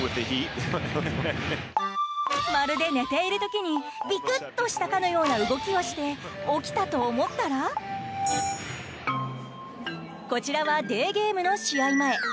まるで寝ている時にビクッとしたかのような動きをして起きたと思ったらこちらはデーゲームの試合前。